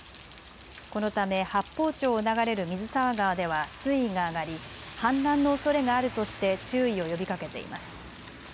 このため八峰町を流れる水沢川では水位が上がり氾濫のおそれがあるとして注意を呼びかけています。